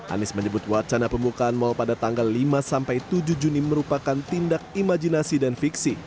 anies menyebut wacana pembukaan mal pada tanggal lima sampai tujuh juni merupakan tindak imajinasi dan fiksi